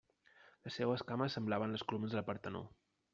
Les seues cames semblaven les columnes del Partenó.